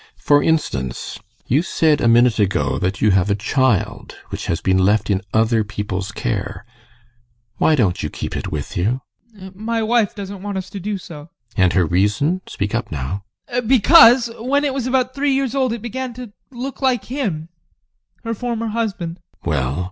For instance, you said a minute ago that you have a child which has been left in other people's care. Why don't you keep it with you? ADOLPH. My wife doesn't want us to do so. GUSTAV. And her reason? Speak up now! ADOLPH. Because, when it was about three years old, it began to look like him, her former husband. GUSTAV. Well?